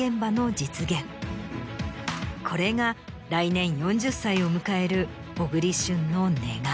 これが来年４０歳を迎える小栗旬の願い。